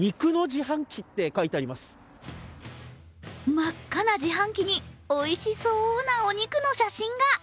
真っ赤な自販機においしそうなお肉の写真が。